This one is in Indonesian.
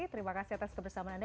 terima kasih atas kebersamaan anda